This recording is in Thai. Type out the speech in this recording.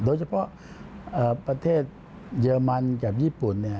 โดยเฉพาะประเทศเยอรมันกับญี่ปุ่น